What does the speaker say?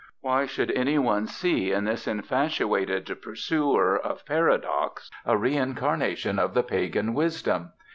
Why should any one see in this infatuated pursuer of paradox a reincarnation of the pagan wisdom?